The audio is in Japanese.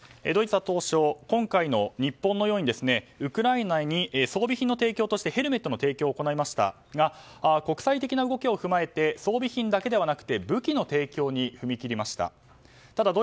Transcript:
ドイツは当初今回の日本のようにウクライナに装備品の提供としてヘルメットの提供を行いましたが国際的な動きを踏まえて装備品だけではなくて武器の提供に踏み切りました。